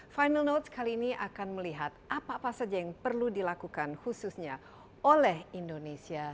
final notes kali ini akan melihat apa apa saja yang perlu dilakukan khususnya oleh indonesia